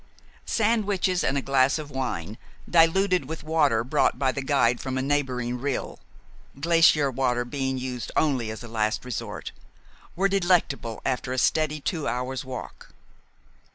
Sandwiches and a glass of wine, diluted with water brought by the guide from a neighboring rill, glacier water being used only as a last resource, were delectable after a steady two hours' walk.